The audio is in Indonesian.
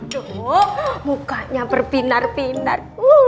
duh mukanya berpinar pinar